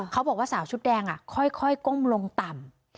เขาบอกว่าสาวชุดแดงค่อยก้มลงต่ำ